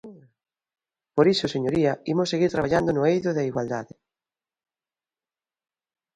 Por iso, señoría, imos seguir traballando no eido da igualdade.